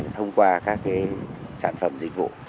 thông qua các cái sản phẩm dịch vụ